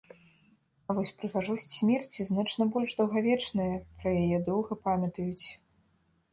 А вось прыгажосць смерці значна больш даўгавечная, пра яе доўга памятаюць.